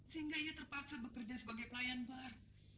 sehingga ia terpaksa bekerja sebagai pelayan bar